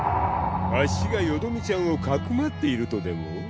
あっしがよどみちゃんをかくまっているとでも？